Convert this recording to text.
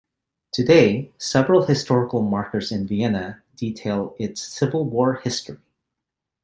Today, several historical markers in Vienna detail its Civil War history.